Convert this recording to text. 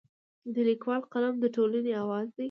د لیکوال قلم د ټولنې اواز دی.